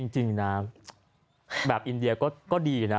จริงนะแบบอินเดียก็ดีนะ